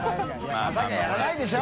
まさかやらないでしょ？